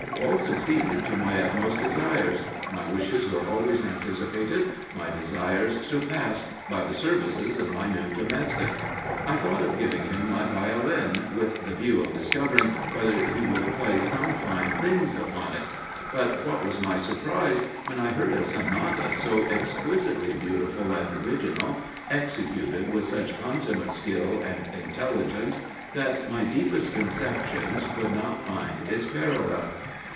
All succeeded to my utmost desires. My wishes were always anticipated, my desires surpassed, by the services of my new domestic. I thought of giving him my Violin, with the view of discovering whether he would play some fine things upon it; but what was my surprise when I heard a sonata so exquisitely beautiful and original, executed with such consummate skill and intelligence, that my deepest conceptions could not find its parallel.